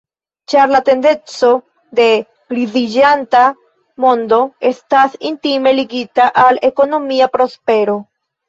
Ĉar la tendenco de griziĝanta mondo estas intime ligita al ekonomia prospero.